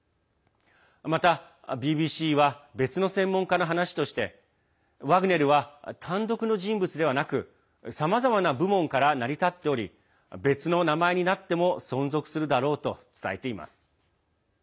また、ＢＢＣは別の専門家の話としてワグネルは単独の人物ではなくさまざまな部門から成り立っており別の名前になっても存続するだろうと伝えています。